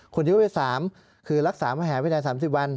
คนยำพวกที่๓คือรักษามหาวิทยาลัย๓๐วัน